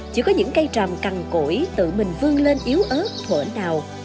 chỉ có những cây tràm cằn cổi tự mình vương lên yếu ớt thổn đào